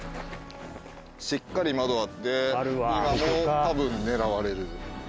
しっかり窓あって今も、多分狙われる。